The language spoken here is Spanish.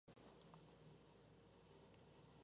Era un poco más de mediodía.